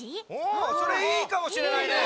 おそれいいかもしれないね。